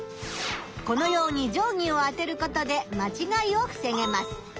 このように定ぎを当てることで間違いをふせげます。